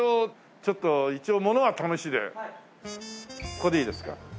ここでいいですか？